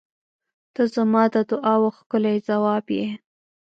ته زما د دعاوو ښکلی ځواب یې.